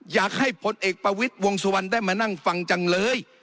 อยากให้ผลเอกประวิทย์วงสุวรรณได้มานั่งฟังจังเลย